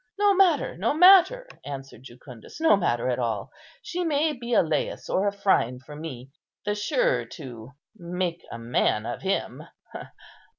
"No matter, no matter," answered Jucundus, "no matter at all; she may be a Lais or Phryne for me; the surer to make a man of him."